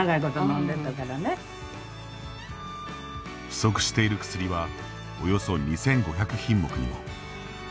不足している薬はおよそ２５００品目にも。